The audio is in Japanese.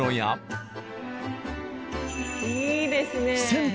いいですね。